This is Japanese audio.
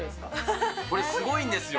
これ、すごいんですよ。